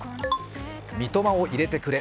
三笘を入れてくれ。